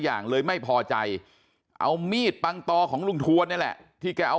อย่างเลยไม่พอใจเอามีดปังตอของลุงทวนนี่แหละที่แกเอา